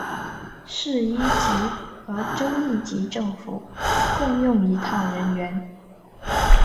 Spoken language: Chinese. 市一级和州一级政府共用一套人员。